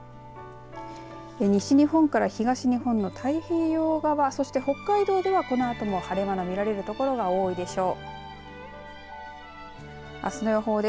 西日本から東日本の太平洋側そして北海道ではこのあとも晴れ間の見られるところが多いでしょう。